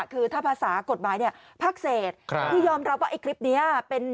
คือถ้าภาษากฎหมายเนี่ยภาคเศษคือยอมรับว่าไอ้คลิปนี้เป็น